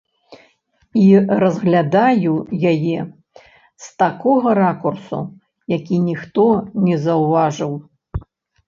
І разглядаю яе з такога ракурсу, які ніхто не заўважыў.